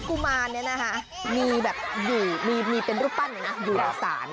กุมารเนี่ยนะคะมีแบบอยู่มีเป็นรูปปั้นอยู่ในศาล